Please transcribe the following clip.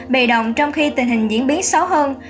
bị động trong khi tình hình diễn biến xấu hơn